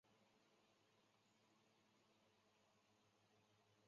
本站为广州地铁线网位处最北的车站。